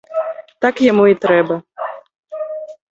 Так яму і трэба.